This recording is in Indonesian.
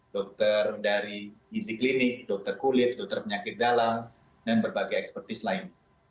dokter dari easy clinic dokter kulit dokter penyakit dalam dan berbagai expertise lain